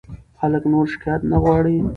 خلک نور شکایت نه غواړي.